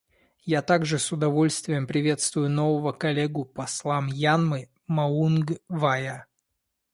Я также с удовольствием приветствую нового коллегу посла Мьянмы Маунг Вая.